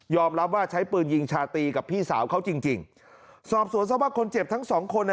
ยอมรับว่าใช้ปืนยิงชาตีกับพี่สาวเขาจริงสอบสวนสามารถคนเจ็บทั้งสองคน